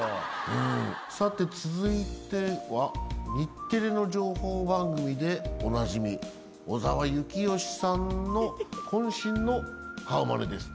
さて続いては日テレの情報番組でおなじみ小澤征悦さんの渾身の顔まねです。